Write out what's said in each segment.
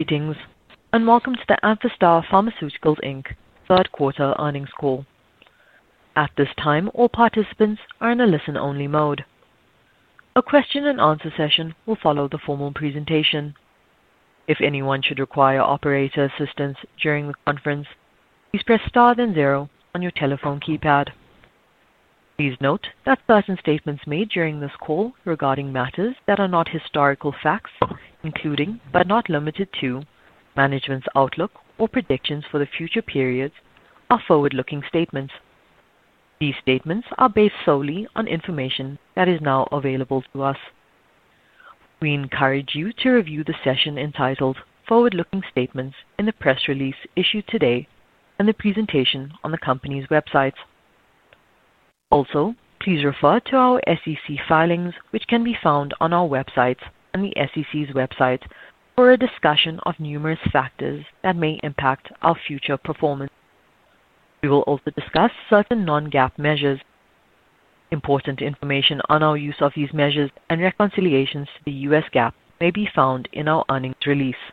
Greetings and welcome to the Amphastar Pharmaceuticals Inc. third quarter earnings call. At this time, all participants are in a listen-only mode. A question-and-answer session will follow the formal presentation. If anyone should require operator assistance during the conference, please press star then zero on your telephone keypad. Please note that certain statements made during this call regarding matters that are not historical facts, including, but not limited to, management's outlook or predictions for the future periods, are forward-looking statements. These statements are based solely on information that is now available to us. We encourage you to review the session entitled "Forward-Looking Statements" in the press release issued today and the presentation on the company's websites. Also, please refer to our SEC filings, which can be found on our websites and the SEC's website, for a discussion of numerous factors that may impact our future performance. We will also discuss certain non-GAAP measures. Important information on our use of these measures and reconciliations to the US GAAP may be found in our earnings release.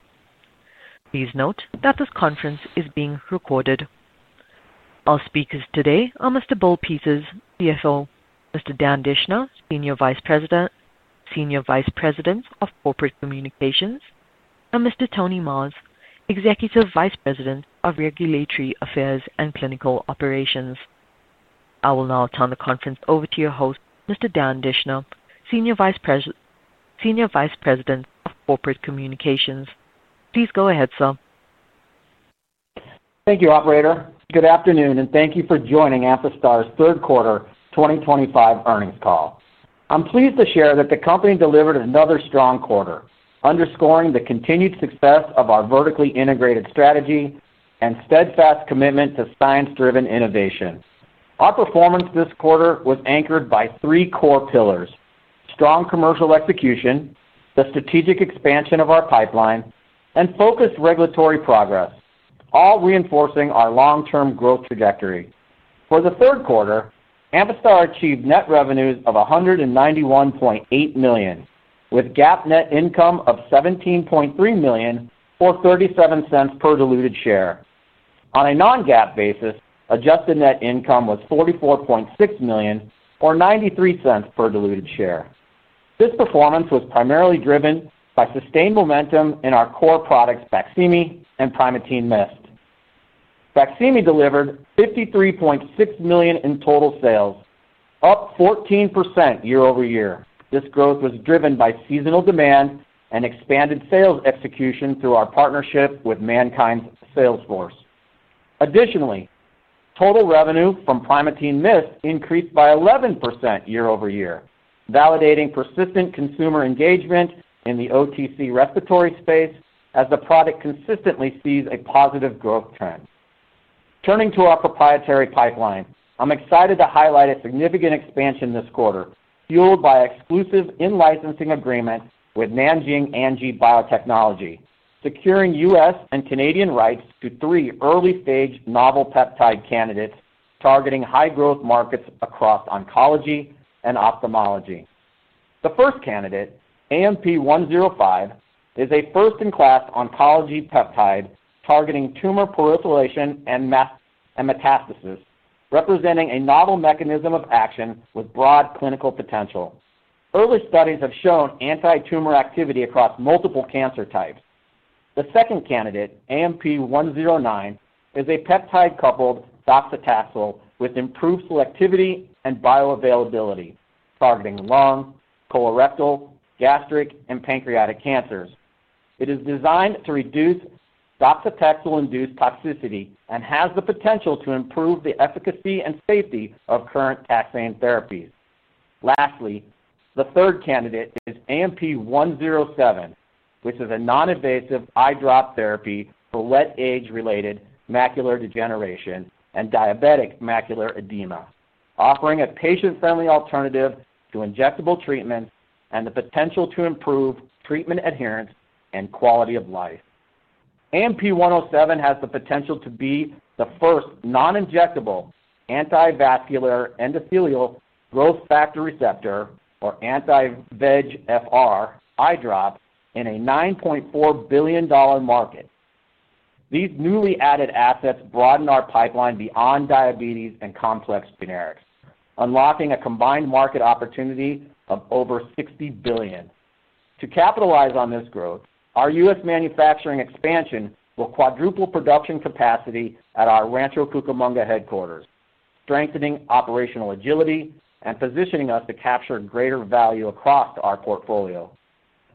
Please note that this conference is being recorded. Our speakers today are Mr. Bill Peters, CFO, Mr. Dan Dischner, Senior Vice President of Corporate Communications, and Mr. Tony Marrs, Executive Vice President of Regulatory Affairs and Clinical Operations. I will now turn the conference over to your host, Mr. Dan Dischner, Senior Vice President of Corporate Communications. Please go ahead, sir. Thank you, Operator. Good afternoon, and thank you for joining Amphastar's third quarter 2025 earnings call. I'm pleased to share that the company delivered another strong quarter, underscoring the continued success of our vertically integrated strategy and steadfast commitment to science-driven innovation. Our performance this quarter was anchored by three core pillars: strong commercial execution, the strategic expansion of our pipeline, and focused regulatory progress, all reinforcing our long-term growth trajectory. For the third quarter, Amphastar achieved net revenues of $191.8 million, with GAAP net income of $17.3 million, or $0.37 per diluted share. On a non-GAAP basis, adjusted net income was $44.6 million, or $0.93 per diluted share. This performance was primarily driven by sustained momentum in our core products, BAQSIMI and Primatene MIST. BAQSIMI delivered $53.6 million in total sales, up 14% year-over-year. This growth was driven by seasonal demand and expanded sales execution through our partnership with MannKind's Salesforce. Additionally, total revenue from Primatene MIST increased by 11% year-over-year, validating persistent consumer engagement in the OTC respiratory space as the product consistently sees a positive growth trend. Turning to our proprietary pipeline, I'm excited to highlight a significant expansion this quarter, fueled by an exclusive in-licensing agreement with Nanjing Anji Biotechnology, securing U.S. and Canadian rights to three early-stage novel peptide candidates targeting high-growth markets across oncology and ophthalmology. The first candidate, AMP-105, is a first-in-class oncology peptide targeting tumor proliferation and metastasis, representing a novel mechanism of action with broad clinical potential. Early studies have shown anti-tumor activity across multiple cancer types. The second candidate, AMP-109, is a peptide-coupled doxycycline with improved selectivity and bioavailability, targeting lung, colorectal, gastric, and pancreatic cancers. It is designed to reduce doxycycline-induced toxicity and has the potential to improve the efficacy and safety of current taxane therapies. Lastly, the third candidate is AMP-107, which is a non-invasive eye drop therapy for wet age-related macular degeneration and diabetic macular edema, offering a patient-friendly alternative to injectable treatments and the potential to improve treatment adherence and quality of life. AMP-107 has the potential to be the first non-injectable anti-VEGFR eye drop in a $9.4 billion market. These newly added assets broaden our pipeline beyond diabetes and complex generics, unlocking a combined market opportunity of over $60 billion. To capitalize on this growth, our U.S. manufacturing expansion will quadruple production capacity at our Rancho Cucamonga headquarters, strengthening operational agility and positioning us to capture greater value across our portfolio.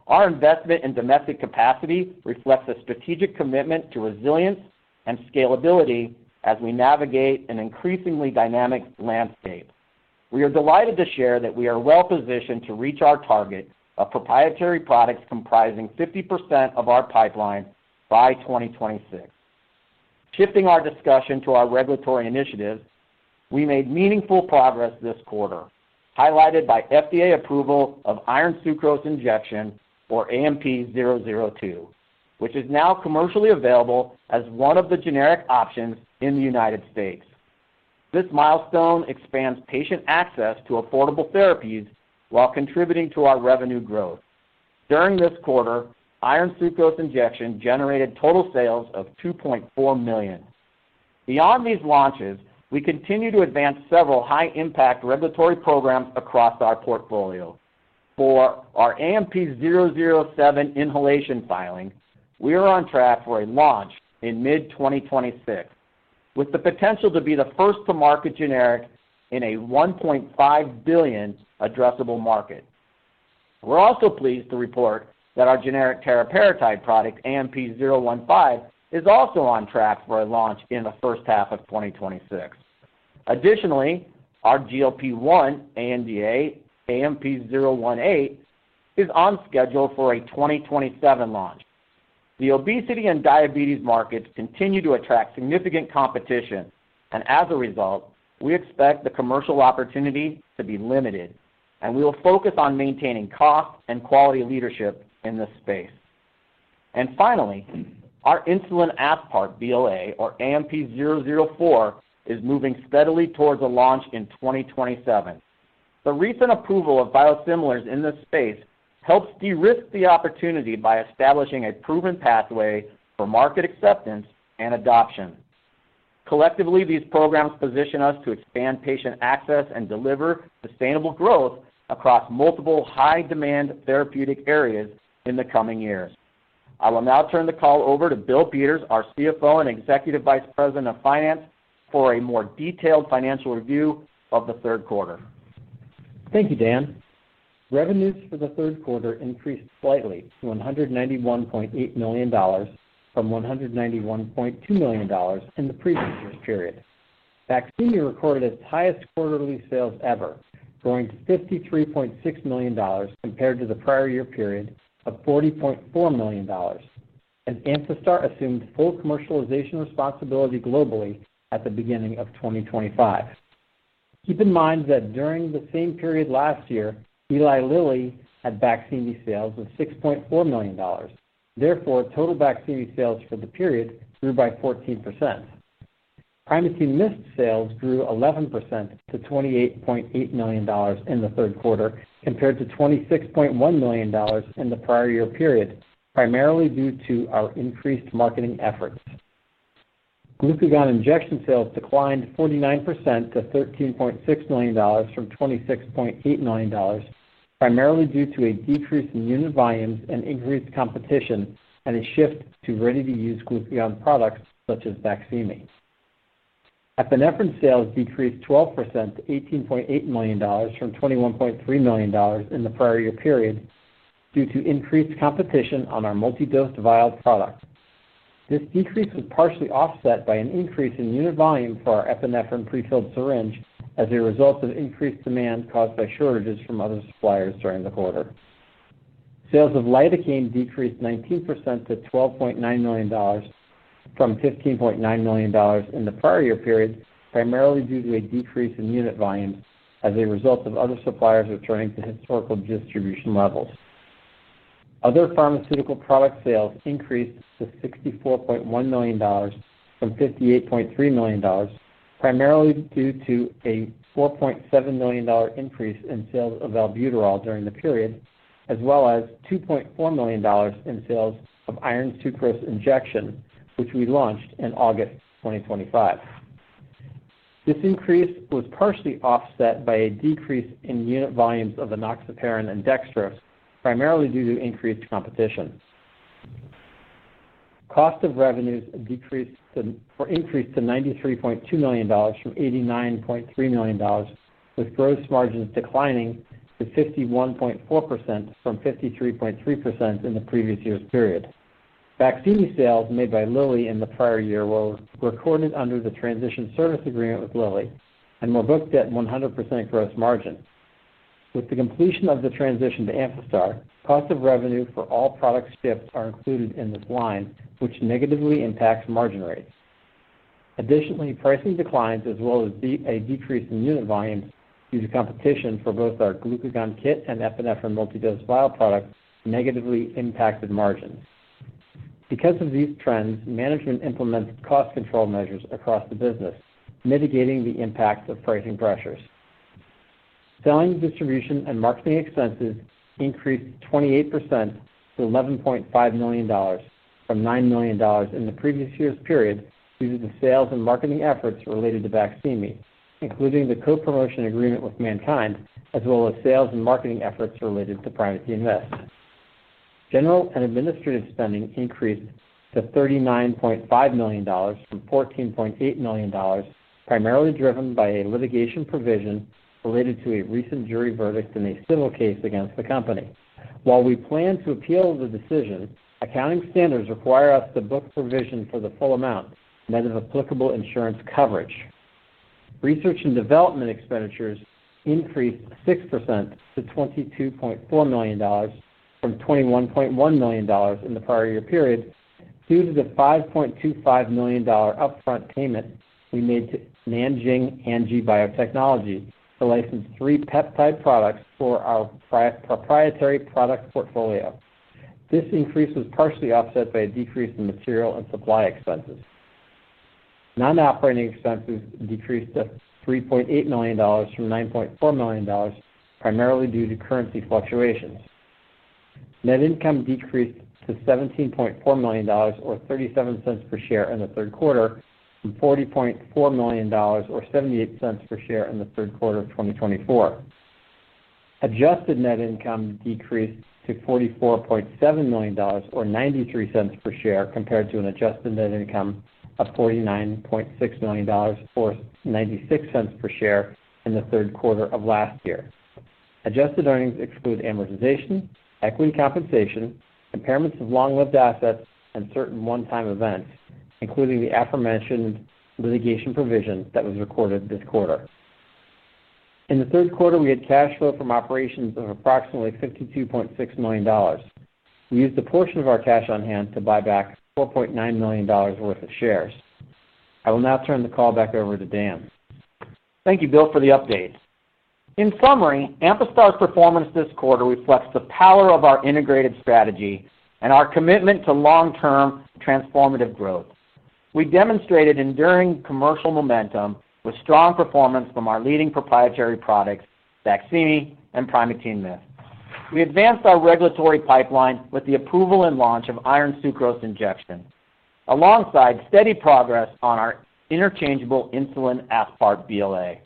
Our investment in domestic capacity reflects a strategic commitment to resilience and scalability as we navigate an increasingly dynamic landscape. We are delighted to share that we are well-positioned to reach our target of proprietary products comprising 50% of our pipeline by 2026. Shifting our discussion to our regulatory initiatives, we made meaningful progress this quarter, highlighted by FDA approval of iron sucrose injection, or AMP-002, which is now commercially available as one of the generic options in the U.S. This milestone expands patient access to affordable therapies while contributing to our revenue growth. During this quarter, iron sucrose injection generated total sales of $2.4 million. Beyond these launches, we continue to advance several high-impact regulatory programs across our portfolio. For our AMP-007 inhalation filing, we are on track for a launch in mid-2026, with the potential to be the first to market generic in a $1.5 billion addressable market. We're also pleased to report that our generic teriparatide product, AMP-015, is also on track for a launch in the first half of 2026. Additionally, our GLP-1 AMDA, AMP-018, is on schedule for a 2027 launch. The obesity and diabetes markets continue to attract significant competition, and as a result, we expect the commercial opportunity to be limited, and we will focus on maintaining cost and quality leadership in this space. Finally, our insulin aspart BLA, or AMP-004, is moving steadily towards a launch in 2027. The recent approval of biosimilars in this space helps de-risk the opportunity by establishing a proven pathway for market acceptance and adoption. Collectively, these programs position us to expand patient access and deliver sustainable growth across multiple high-demand therapeutic areas in the coming years. I will now turn the call over to Bill Peters, our CFO and Executive Vice President of Finance, for a more detailed financial review of the third quarter. Thank you, Dan. Revenues for the third quarter increased slightly to $191.8 million from $191.2 million in the previous year's period. BAQSIMI recorded its highest quarterly sales ever, growing to $53.6 million compared to the prior year period of $40.4 million. Amphastar assumed full commercialization responsibility globally at the beginning of 2025. Keep in mind that during the same period last year, Lilly had BAQSIMI sales of $6.4 million. Therefore, total BAQSIMI sales for the period grew by 14%. Primatene MIST sales grew 11% to $28.8 million in the third quarter compared to $26.1 million in the prior year period, primarily due to our increased marketing efforts. Glucagon injection sales declined 49% to $13.6 million from $26.8 million, primarily due to a decrease in unit volumes and increased competition and a shift to ready-to-use glucagon products such as BAQSIMI. Epinephrine sales decreased 12% to $18.8 million from $21.3 million in the prior year period due to increased competition on our multi-dose vial product. This decrease was partially offset by an increase in unit volume for our epinephrine prefilled syringe as a result of increased demand caused by shortages from other suppliers during the quarter. Sales of lidocaine decreased 19% to $12.9 million from $15.9 million in the prior year period, primarily due to a decrease in unit volumes as a result of other suppliers returning to historical distribution levels. Other pharmaceutical product sales increased to $64.1 million from $58.3 million, primarily due to a $4.7 million increase in sales of albuterol during the period, as well as $2.4 million in sales of iron sucrose injection, which we launched in August 2025. This increase was partially offset by a decrease in unit volumes of enoxaparin and dextrose, primarily due to increased competition. Cost of revenues increased to $93.2 million from $89.3 million, with gross margins declining to 51.4% from 53.3% in the previous year's period. BAQSIMI sales made by Lilly in the prior year were recorded under the transition service agreement with Lilly and were booked at 100% gross margin. With the completion of the transition to Amphastar, cost of revenue for all products shipped are included in this line, which negatively impacts margin rates. Additionally, pricing declines, as well as a decrease in unit volumes due to competition for both our glucagon kit and epinephrine multi-dose vial product, negatively impacted margins. Because of these trends, management implemented cost control measures across the business, mitigating the impact of pricing pressures. Selling, distribution, and marketing expenses increased 28% to $11.5 million from $9 million in the previous year's period due to the sales and marketing efforts related to BAQSIMI, including the co-promotion agreement with MannKind, as well as sales and marketing efforts related to Primatene MIST. General and administrative spending increased to $39.5 million from $14.8 million, primarily driven by a litigation provision related to a recent jury verdict in a civil case against the company. While we plan to appeal the decision, accounting standards require us to book provision for the full amount, net of applicable insurance coverage. Research and development expenditures increased 6% to $22.4 million from $21.1 million in the prior year period due to the $5.25 million upfront payment we made to Nanjing Anji Biotechnology to license three peptide products for our proprietary product portfolio. This increase was partially offset by a decrease in material and supply expenses. Non-operating expenses decreased to $3.8 million from $9.4 million, primarily due to currency fluctuations. Net income decreased to $17.3 million, or $0.37 per share in the third quarter, from $40.4 million, or $0.78 per share in the third quarter of 2024. Adjusted net income decreased to $44.6 million, or $0.93 per share, compared to an adjusted net income of $49.6 million, or $0.96 per share in the third quarter of last year. Adjusted earnings exclude amortization, equity compensation, impairments of long-lived assets, and certain one-time events, including the aforementioned litigation provision that was recorded this quarter. In the third quarter, we had cash flow from operations of approximately $52.6 million. We used a portion of our cash on hand to buy back $4.9 million worth of shares. I will now turn the call back over to Dan. Thank you, Bill, for the update. In summary, Amphastar's performance this quarter reflects the power of our integrated strategy and our commitment to long-term transformative growth. We demonstrated enduring commercial momentum with strong performance from our leading proprietary products, BAQSIMI and Primatene MIST. We advanced our regulatory pipeline with the approval and launch of iron sucrose injection, alongside steady progress on our interchangeable insulin aspart BLA.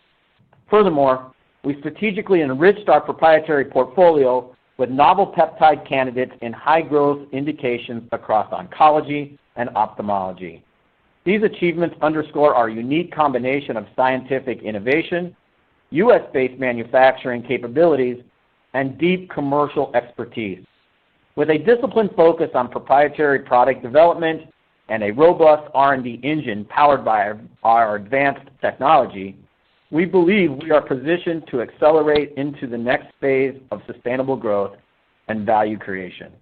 Furthermore, we strategically enriched our proprietary portfolio with novel peptide candidates in high-growth indications across oncology and ophthalmology. These achievements underscore our unique combination of scientific innovation, U.S.-based manufacturing capabilities, and deep commercial expertise. With a disciplined focus on proprietary product development and a robust R&D engine powered by our advanced technology, we believe we are positioned to accelerate into the next phase of sustainable growth and value creation.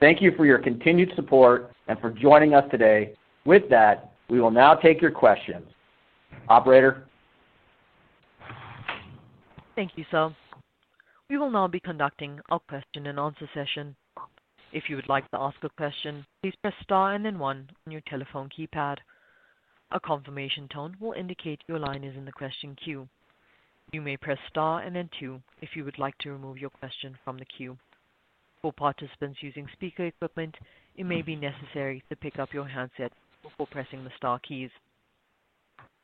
Thank you for your continued support and for joining us today. With that, we will now take your questions. Operator. Thank you, sir. We will now be conducting a question-and-answer session. If you would like to ask a question, please press star and then one on your telephone keypad. A confirmation tone will indicate your line is in the question queue. You may press star and then two if you would like to remove your question from the queue. For participants using speaker equipment, it may be necessary to pick up your handset before pressing the star keys.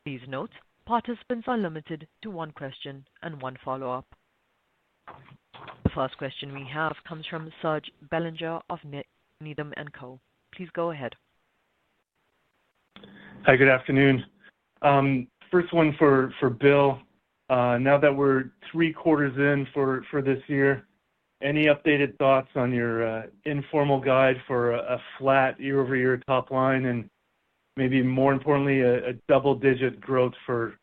Please note participants are limited to one question and one follow-up. The first question we have comes from Serge Belanger of Needham & Co. Please go ahead. Hi, good afternoon. First one for Bill. Now that we're three quarters in for this year, any updated thoughts on your informal guide for a flat year-over-year top line and maybe more importantly, a double-digit growth for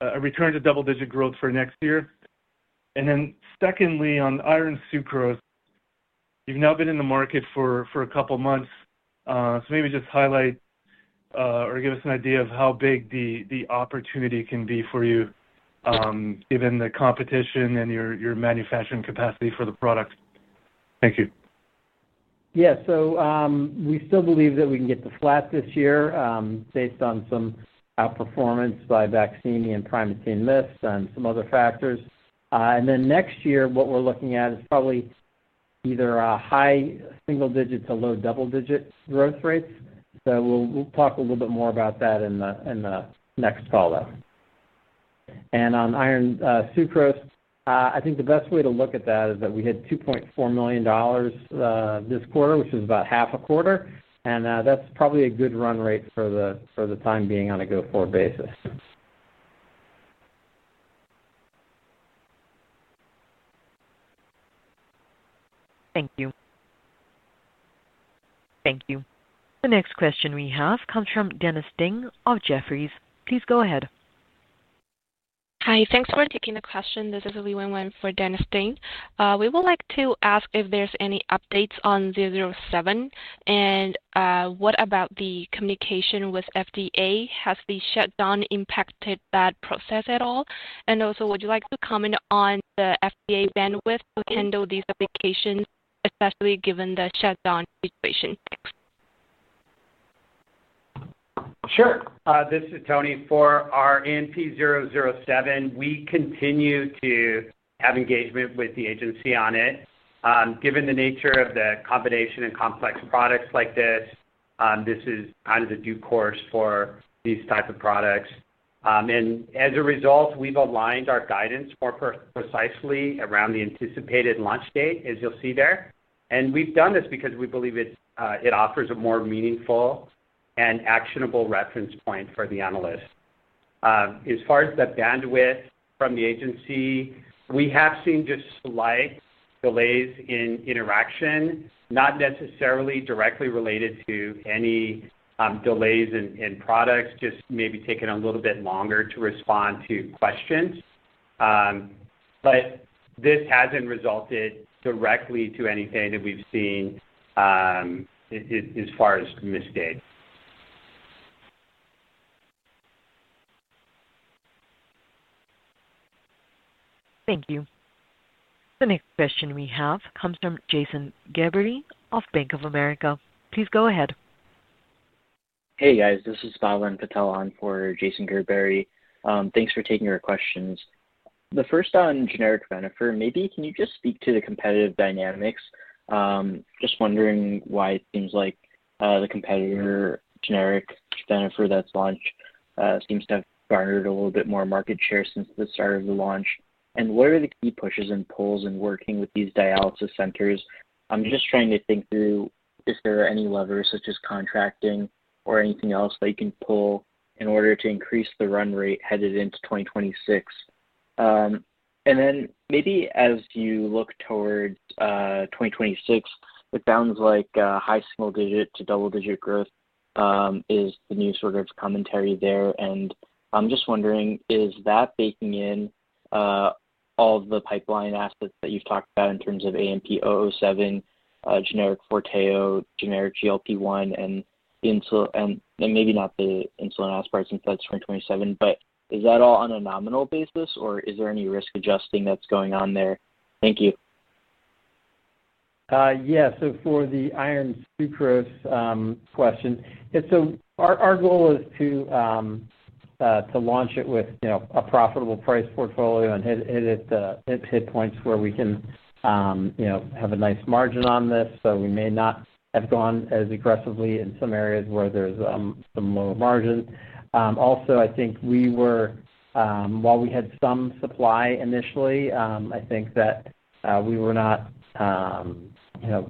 a return to double-digit growth for next year? Secondly, on iron sucrose, you've now been in the market for a couple of months, so maybe just highlight or give us an idea of how big the opportunity can be for you, given the competition and your manufacturing capacity for the product. Thank you. Yeah, so we still believe that we can get to flat this year based on some outperformance by BAQSIMI and Primatene MIST and some other factors. Next year, what we're looking at is probably either a high single-digit to low double-digit growth rates. We'll talk a little bit more about that in the next call-up. On iron sucrose, I think the best way to look at that is that we had $2.4 million this quarter, which is about half a quarter, and that's probably a good run rate for the time being on a go-forward basis. Thank you. The next question we have comes from Dennis Ding of Jefferies. Please go ahead. Hi, thanks for taking the question. This is a [wee one] for Dennis Ding. We would like to ask if there's any updates on AMP-007 and what about the communication with FDA? Has the shutdown impacted that process at all? Also, would you like to comment on the FDA bandwidth to handle these applications, especially given the shutdown situation? Sure. This is Tony for our AMP-007. We continue to have engagement with the agency on it. Given the nature of the combination and complex products like this, this is kind of the due course for these types of products. As a result, we've aligned our guidance more precisely around the anticipated launch date, as you'll see there. We've done this because we believe it offers a more meaningful and actionable reference point for the analyst. As far as the bandwidth from the agency, we have seen just slight delays in interaction, not necessarily directly related to any delays in products, just maybe taking a little bit longer to respond to questions. This hasn't resulted directly to anything that we've seen as far as missed dates. Thank you. The next question we have comes from Jason Gerberry of Bank of America. Please go ahead. Hey, guys. This is Pavan Patel on for Jason Gerberry. Thanks for taking your questions. The first on generic Venofer, maybe can you just speak to the competitive dynamics? Just wondering why it seems like the competitor, generic Venofer that's launched, seems to have garnered a little bit more market share since the start of the launch. What are the key pushes and pulls in working with these dialysis centers? I'm just trying to think through if there are any levers such as contracting or anything else that you can pull in order to increase the run rate headed into 2026. Maybe as you look towards 2026, it sounds like high single-digit to double-digit growth is the new sort of commentary there. I'm just wondering, is that baking in. All of the pipeline aspects that you've talked about in terms of AMP007, generic Forteo, generic GLP-1, and maybe not the insulin aspart since that's 2027, but is that all on a nominal basis, or is there any risk adjusting that's going on there? Thank you. Yeah, so for the iron sucrose question, our goal is to launch it with a profitable price portfolio and hit it at hit points where we can have a nice margin on this. We may not have gone as aggressively in some areas where there's some lower margin. Also, I think while we had some supply initially, I think that we were not,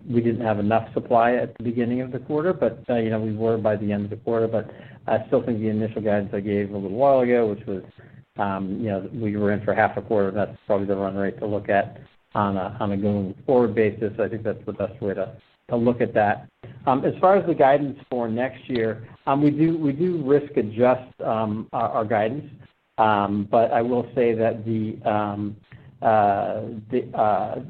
we didn't have enough supply at the beginning of the quarter, but we were by the end of the quarter. I still think the initial guidance I gave a little while ago, which was we were in for half a quarter, that's probably the run rate to look at on a going forward basis. I think that's the best way to look at that. As far as the guidance for next year, we do risk adjust our guidance. I will say that the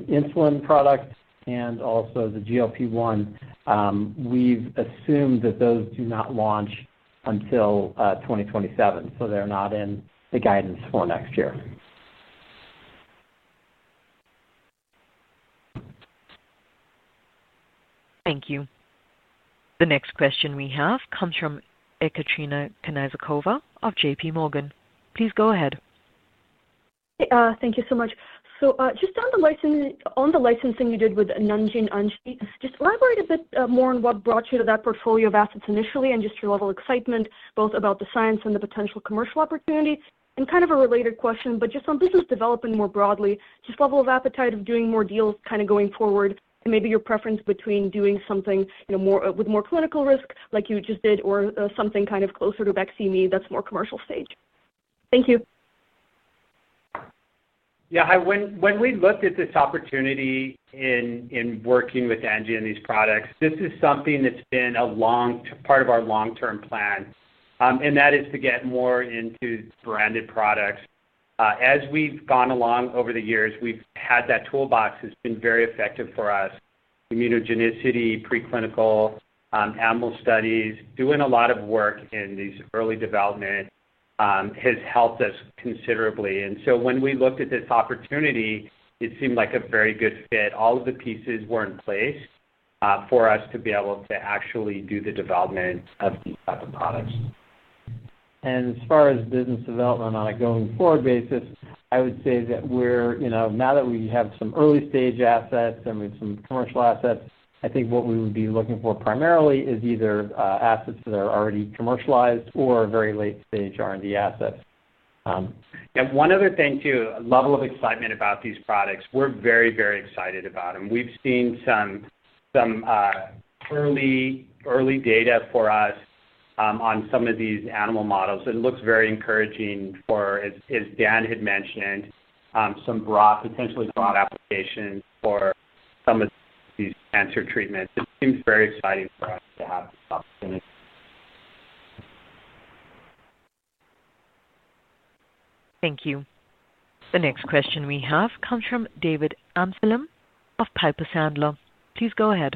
insulin product and also the GLP-1. We've assumed that those do not launch until 2027, so they're not in the guidance for next year. Thank you. The next question we have comes from Ekaterina Knyazkova of JPMorgan. Please go ahead. Thank you so much. Just on the licensing you did with Nanjing Anji, just elaborate a bit more on what brought you to that portfolio of assets initially and just your level of excitement, both about the science and the potential commercial opportunity. Kind of a related question, but just on business development more broadly, just level of appetite of doing more deals going forward, and maybe your preference between doing something with more clinical risk like you just did or something closer to BAQSIMI that's more commercial stage. Thank you. Yeah, when we looked at this opportunity in working with Anji and these products, this is something that's been a long part of our long-term plan. That is to get more into branded products. As we've gone along over the years, we've had that toolbox has been very effective for us. Immunogenicity, preclinical. Animal studies, doing a lot of work in these early development, has helped us considerably. When we looked at this opportunity, it seemed like a very good fit. All of the pieces were in place for us to be able to actually do the development of these types of products. As far as business development on a going forward basis, I would say that now that we have some early-stage assets and some commercial assets, I think what we would be looking for primarily is either assets that are already commercialized or very late-stage R&D assets. One other thing too, level of excitement about these products. We're very, very excited about them. We've seen some early data for us on some of these animal models. It looks very encouraging for, as Dan had mentioned, some potentially broad applications for some of these cancer treatments. It seems very exciting for us to have this opportunity. Thank you. The next question we have comes from David Amsellem of Piper Sandler. Please go ahead.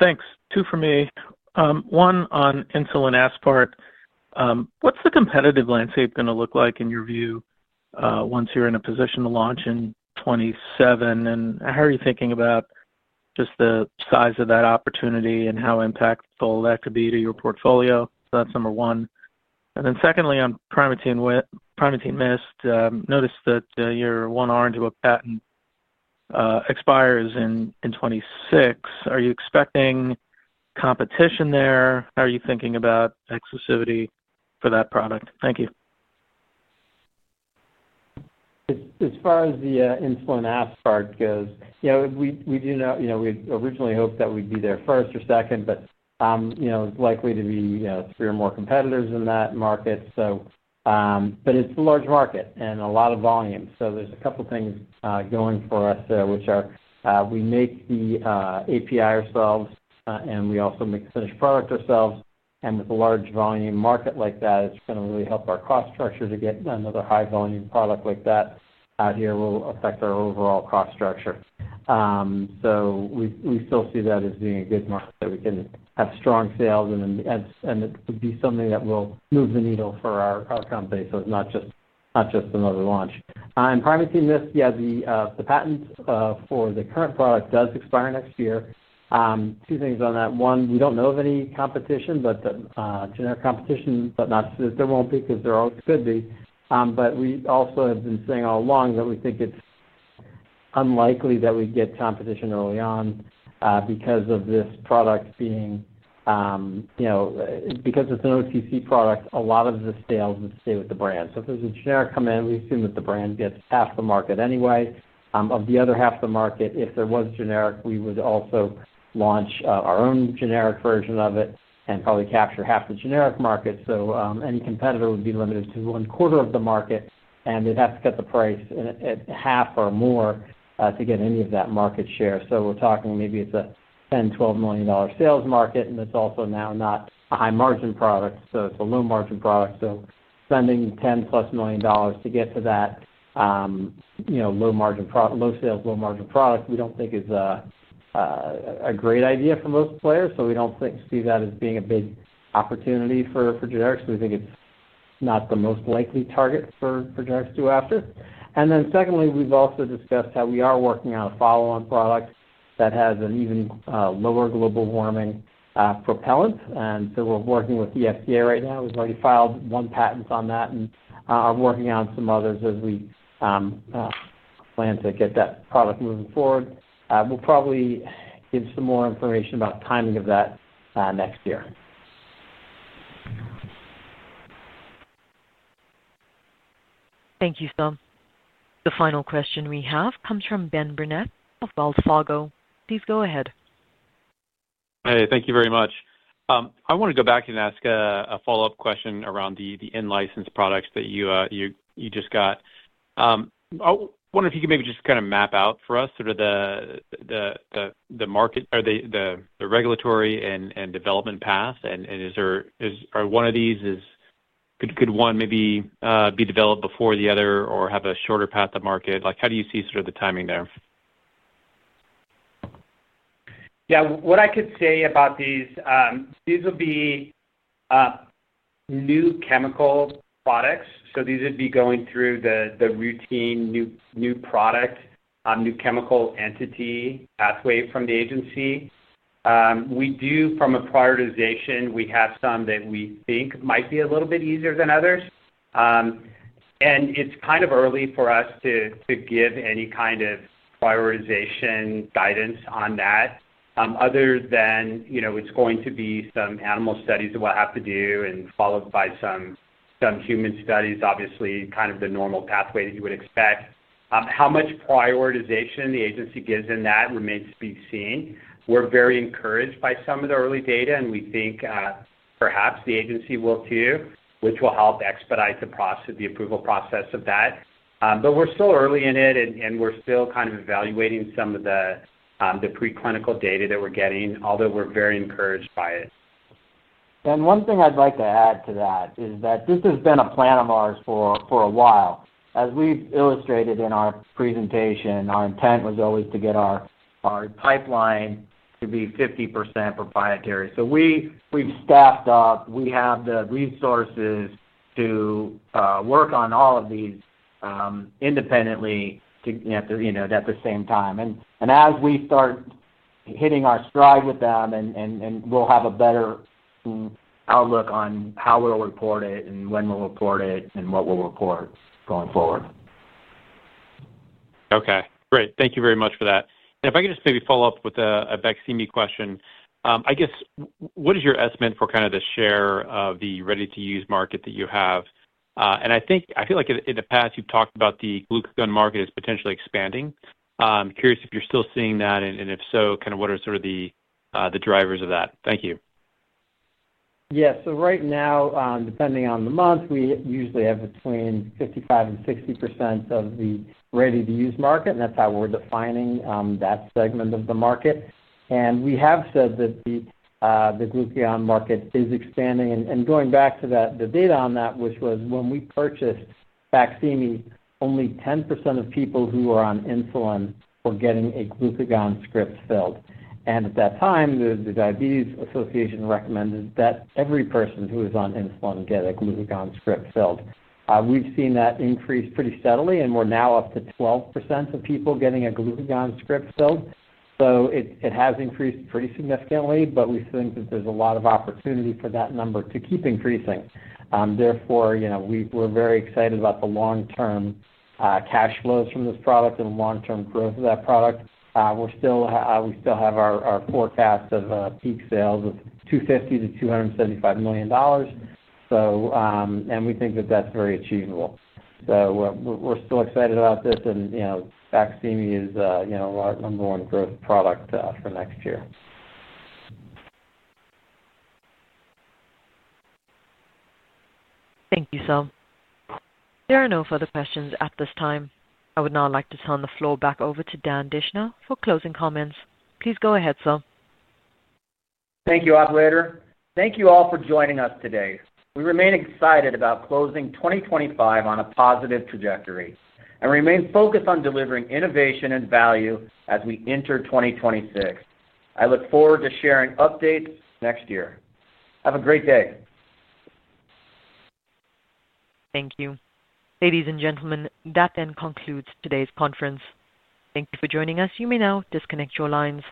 Thanks. Two for me. One on insulin aspart. What's the competitive landscape going to look like in your view once you're in a position to launch in 2027? And how are you thinking about just the size of that opportunity and how impactful that could be to your portfolio? So that's number one. And then secondly, on Primatene MIST, noticed that your one R&D patent expires in 2026. Are you expecting competition there? How are you thinking about exclusivity for that product? Thank you. As far as the insulin aspart goes, we do know we originally hoped that we'd be there first or second, but it's likely to be three or more competitors in that market. It's a large market and a lot of volume. There are a couple of things going for us there, which are we make the API ourselves, and we also make the finished product ourselves. With a large volume market like that, it's going to really help our cost structure to get another high-volume product like that out here will affect our overall cost structure. We still see that as being a good market that we can have strong sales, and it would be something that will move the needle for our company. It's not just another launch. On Primatene MIST, yeah, the patent for the current product does expire next year. Two things on that. One, we do not know of any competition, but generic competition, but not that there will not be because there always could be. We also have been saying all along that we think it is unlikely that we get competition early on. Because of this product being, because it is an OTC product, a lot of the sales would stay with the brand. If there is a generic come in, we assume that the brand gets half the market anyway. Of the other half of the market, if there was generic, we would also launch our own generic version of it and probably capture half the generic market. Any competitor would be limited to one quarter of the market, and they would have to cut the price at half or more to get any of that market share. We're talking maybe it's a $10 million-$12 million sales market, and it's also now not a high-margin product. It's a low-margin product. Spending $10+ million to get to that low-sales, low-margin product, we don't think is a great idea for most players. We don't see that as being a big opportunity for generics. We think it's not the most likely target for generics to go after. Secondly, we've also discussed how we are working on a follow-on product that has an even lower global warming propellant. We're working with FDA right now. We've already filed one patent on that and are working on some others as we plan to get that product moving forward. We'll probably give some more information about timing of that next year. Thank you, Tom. The final question we have comes from Ben Burnett of Wells Fargo. Please go ahead. Hey, thank you very much. I want to go back and ask a follow-up question around the in-license products that you just got. I wonder if you can maybe just kind of map out for us sort of the market or the regulatory and development path. Is there one of these? Could one maybe be developed before the other or have a shorter path to market? How do you see sort of the timing there? Yeah, what I could say about these, these would be new chemical products. So these would be going through the routine new product, new chemical entity pathway from the agency. From a prioritization, we have some that we think might be a little bit easier than others. It's kind of early for us to give any kind of prioritization guidance on that. Other than it's going to be some animal studies that we'll have to do and followed by some human studies, obviously, kind of the normal pathway that you would expect. How much prioritization the agency gives in that remains to be seen. We're very encouraged by some of the early data, and we think perhaps the agency will too, which will help expedite the approval process of that. We're still early in it, and we're still kind of evaluating some of the. Pre-clinical data that we're getting, although we're very encouraged by it. One thing I'd like to add to that is that this has been a plan of ours for a while. As we've illustrated in our presentation, our intent was always to get our pipeline to be 50% proprietary. We've staffed up. We have the resources to work on all of these independently at the same time. As we start hitting our stride with them, we'll have a better outlook on how we'll report it and when we'll report it and what we'll report going forward. Okay. Great. Thank you very much for that. If I could just maybe follow up with a BAQSIMI question, I guess, what is your estimate for kind of the share of the ready-to-use market that you have? I feel like in the past, you've talked about the glucagon market as potentially expanding. Curious if you're still seeing that, and if so, kind of what are sort of the drivers of that? Thank you. Yeah. Right now, depending on the month, we usually have between 55-60% of the ready-to-use market, and that's how we're defining that segment of the market. We have said that the glucagon market is expanding. Going back to the data on that, which was when we purchased BAQSIMI, only 10% of people who are on insulin were getting a glucagon script filled. At that time, the Diabetes Association recommended that every person who is on insulin get a glucagon script filled. We've seen that increase pretty steadily, and we're now up to 12% of people getting a glucagon script filled. It has increased pretty significantly, but we think that there's a lot of opportunity for that number to keep increasing. Therefore, we're very excited about the long-term cash flows from this product and the long-term growth of that product. We still have our forecast of peak sales of $250 million-$275 million. We think that that's very achievable. We're still excited about this, and BAQSIMI is our number one growth product for next year. Thank you, Sam. There are no further questions at this time. I would now like to turn the floor back over to Dan Dischner for closing comments. Please go ahead, Sam. Thank you, operator. Thank you all for joining us today. We remain excited about closing 2025 on a positive trajectory and remain focused on delivering innovation and value as we enter 2026. I look forward to sharing updates next year. Have a great day. Thank you. Ladies and gentlemen, that then concludes today's conference. Thank you for joining us. You may now disconnect your lines.